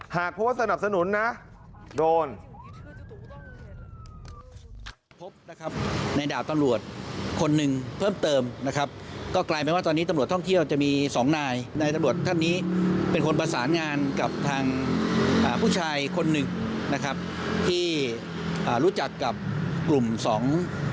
หากเพราะว่าสนับสนุนนะโดน